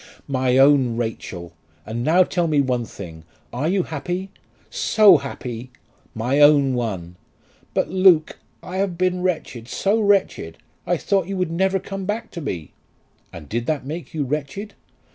"My own Rachel! And now tell me one thing: are you happy?" "So happy!" "My own one!" "But, Luke, I have been wretched; so wretched! I thought you would never come back to me." "And did that make you wretched?"